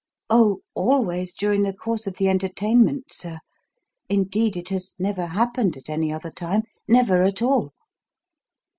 "Oh, always during the course of the entertainment, sir. Indeed, it has never happened at any other time never at all."